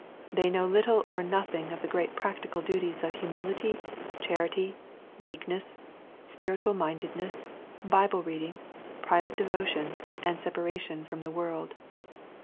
They know lit tle or nothing of the great practical duties of humility, charity, meekness, spiritual mindedness, Bible reading, private devotion, and separation from the world.